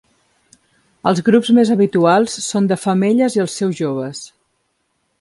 Els grups mes habituals són de femelles i els seus joves.